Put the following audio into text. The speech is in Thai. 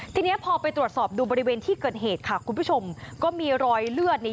ทีนี้พอไปตรวจสอบดูบริเวณที่เกิดเหตุค่ะคุณผู้ชมก็มีรอยเลือดเนี่ย